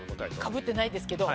かぶってないですけど。